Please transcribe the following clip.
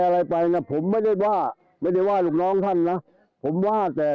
อะไรไปนะผมไม่ได้ว่าไม่ได้ว่าลูกน้องท่านนะผมว่าแต่